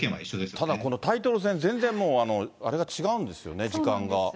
ただこのタイトル戦、全然もう、あれが違うんですよね、そうなんです。